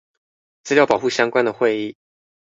資料保護相關的會議